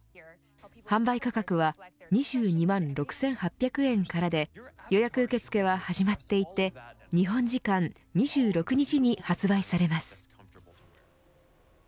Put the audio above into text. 販売価格は２２万６８００円からで予約受け付けは始まっていて日本時間２６日に発売されます。